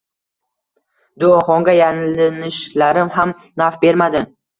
Duoxonga yalinishlarim ham naf bermadi: